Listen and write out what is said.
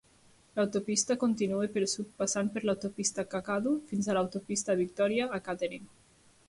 L'autopista continua pel sud passant per l'autopista Kakadu fins a l'autopista Victoria a Katherine.